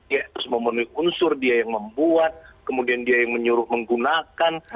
ya harus memenuhi unsur dia yang membuat kemudian dia yang menyuruh menggunakan